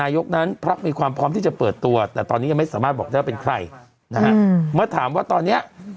ยังไม่สามารถบอกได้ว่าเป็นใครนะฮะเมื่อถามว่าตอนเนี้ย